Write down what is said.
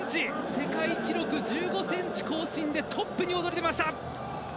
世界記録１５ｃｍ更新でトップに躍り出ました。